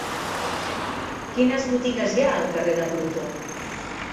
Quines botigues hi ha al carrer de Plutó?